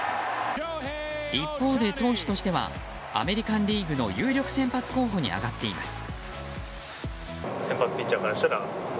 一方で、投手としてはアメリカンリーグの有力先発候補に挙がっています。